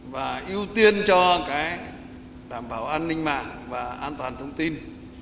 và ưu tiên cho cái đảm bảo an ninh mạng và an toàn thông tin